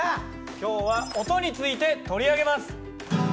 今日は音について取り上げます。